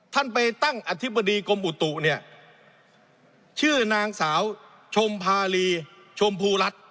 ท่านไปตั้งอธิบดีกรมอุตุเนี่ยชื่อนางสาวชมภารีชมพูรัฐ